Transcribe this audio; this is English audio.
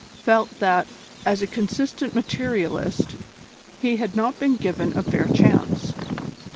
felt that, as a consistent materialist, he had not been given a fair chance.